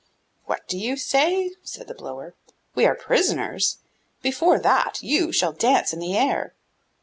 'What do you say?' said the blower, 'we are prisoners? Before that, you shall dance in the air!